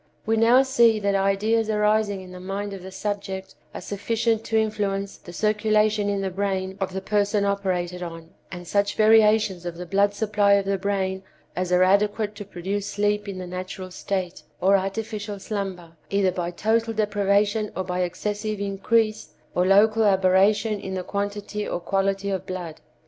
We now see that ideas arising in the mind of the subject are sufficient to influence the circulation in the brain of the person operated on, and such variations of the blood supply of the brain as are adequate to produce sleep in the natural state, or artificial slumber, either by total deprivation or by excessive increase or local aberration in the quantity or quality of blood.